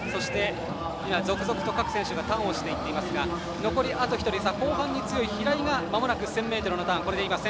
続々と各選手がターンをしていますが残りあと１人、後半に強い平井が１０００ｍのターン。